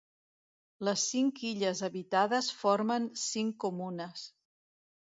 Les cinc illes habitades formen cinc comunes.